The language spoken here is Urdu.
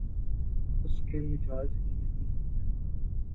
اس کے مجاز ہی نہیں ہوتے